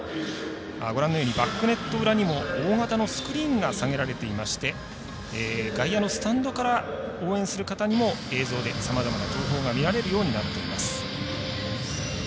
ご覧のようにバックネット裏にも大型のスクリーンが下げられていまして外野のスタンドから応援する方にも、映像でさまざまな情報が見られるようになっています。